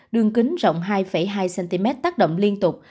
đường kính rộng hai hai cm tác động liên tục